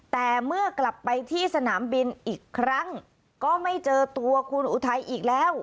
แต่เมื่อกลับไปที่สนามบินอีกครั้งก็ไม่เจอตัวคุณอุทัยอีกแล้ว